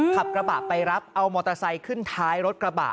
ขับกระบะไปรับเอามอเตอร์ไซค์ขึ้นท้ายรถกระบะ